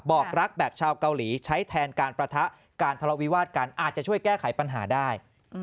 บอกรักแบบชาวเกาหลีใช้แทนการประทะการทะเลาวิวาสกันอาจจะช่วยแก้ไขปัญหาได้